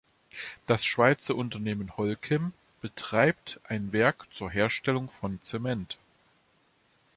Das Schweizer Unternehmen Holcim betreibt ein Werk zur Herstellung von Zement.